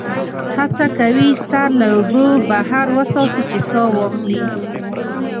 هڅه کوي سر له اوبو بهر وساتي چې سا واخلي.